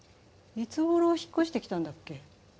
いつ頃引っ越してきたんだっけ？